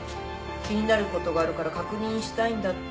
気になることがあるから確認したいんだって。